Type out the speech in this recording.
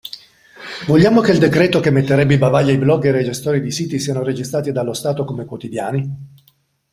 Vogliamo che il decreto, che metterebbe i bavagli ai blogger e gestori di siti siano registrati dallo Stato come quotidiani?